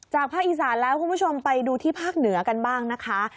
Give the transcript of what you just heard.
ภาคอีสานแล้วคุณผู้ชมไปดูที่ภาคเหนือกันบ้างนะคะ